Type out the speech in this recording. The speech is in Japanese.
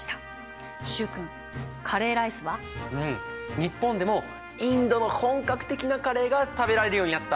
日本でもインドの本格的なカレーが食べられるようになった。